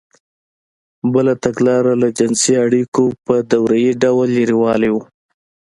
بله تګلاره له جنسـي اړیکو په دورهیي ډول لرېوالی و.